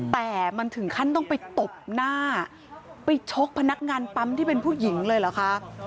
แต่มันถึงขั้นต้องไปตบหน้าไปชกพนักงานปั๊มที่เป็นผู้หญิงเลยเหรอคะ